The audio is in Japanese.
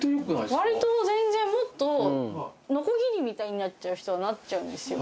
わりと全然もっとノコギリみたいになっちゃう人はなっちゃうんですよ